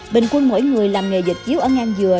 bình quân mỗi người làm nghề dịch chiếu ở ngang dừa